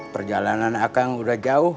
perjalanan akang udah jauh